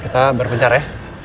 kita baru berpincar ya